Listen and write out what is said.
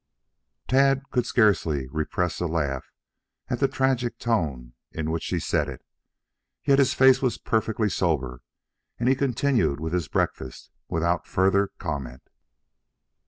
Tad could scarcely repress a laugh at the tragic tone in which she said it. Yet his face was perfectly sober and he continued with his breakfast without further comment.